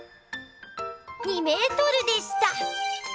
２メートルでした！